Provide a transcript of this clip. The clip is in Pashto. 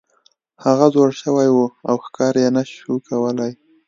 هغه زوړ شوی و او ښکار یې نشو کولی.